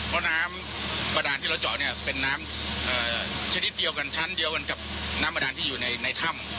เพราะน้ำบาดานที่เราเจาะเนี่ยเป็นน้ำชนิดเดียวกันชั้นเดียวกันกับน้ำบาดานที่อยู่ในถ้ำ